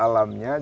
jadi hari ini itu